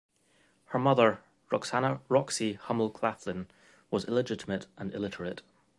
Her mother, Roxanna "Roxy" Hummel Claflin, was illegitimate and illiterate.